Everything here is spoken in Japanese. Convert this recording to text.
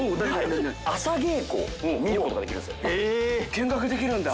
見学できるんだ。